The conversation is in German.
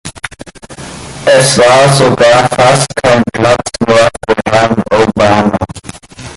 Es war sogar fast kein Platz mehr für Herrn Obama.